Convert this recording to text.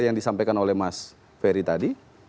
yang disampaikan oleh mas ferry tadi